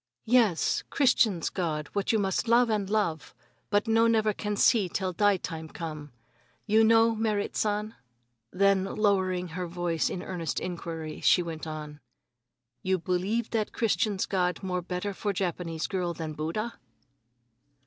"Yes, Christians' God, what you must love and love, but no never can see till die time come. You know, Merrit San?" Then, lowering her voice in earnest inquiry, she went on: "You believe that Christians' God more better for Japanese girl than Buddha?"